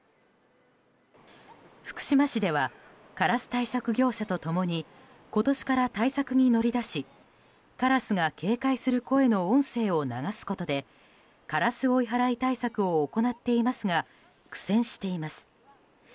福島市ではカラス対策業者と共に今年から対策に乗り出しカラスが警戒する声の音声を流すことでカラス追い払い対策を行っていますが苦戦しています。